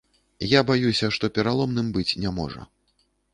Я баюся, што пераломным быць не можа.